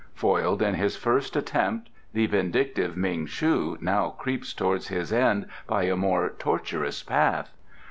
Foiled in his first attempt, the vindictive Ming shu now creeps towards his end by a more tortuous path.